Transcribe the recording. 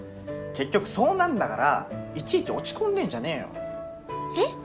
結局そうなんだからいちいち落ち込んでんじゃねえよえっ？